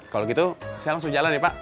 kalau gitu saya langsung jalan ya pak